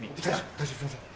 大将すいません。